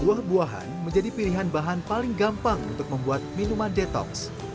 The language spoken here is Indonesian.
buah buahan menjadi pilihan bahan paling gampang untuk membuat minuman detox